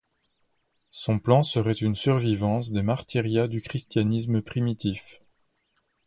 Son plan serait une survivance des martyria du christianisme primitif.